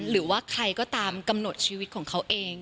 หรือว่าใครก็ตามกำหนดชีวิตของเขาเอง